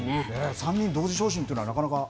３人同時昇進というのはなかなか。